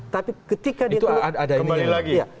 tapi ketika dia kembali lagi